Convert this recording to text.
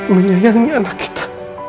menyayangi anak kita